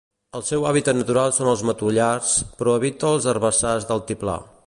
El seu hàbitat natural són els matollars, però evita els herbassars d'altiplà.